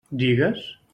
Digues.